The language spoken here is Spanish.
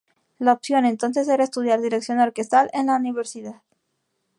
La opción, entonces, era estudiar dirección orquestal en la Universidad.